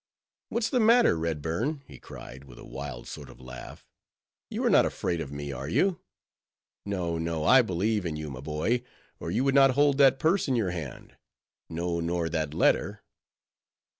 "What's the matter, Redburn?" he cried, with a wild sort of laugh—"you are not afraid of me, are you?—No, no! I believe in you, my boy, or you would not hold that purse in your hand; no, nor that letter."